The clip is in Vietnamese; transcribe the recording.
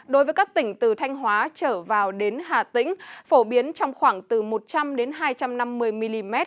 đối với các tỉnh từ thanh hóa trở vào đến hà tĩnh phổ biến trong khoảng từ một trăm linh hai trăm năm mươi mm